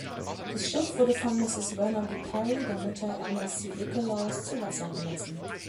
Das Schiff wurde von Mrs. Verna B. Perry, der Mutter Elmer C. Bigelows, zu Wasser gelassen.